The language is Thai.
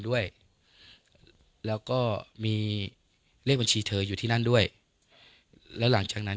ด้วยแล้วก็มีเลขบัญชีเธออยู่ที่นั่นด้วยแล้วหลังจากนั้น